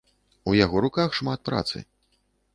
У яго руках шмат працы.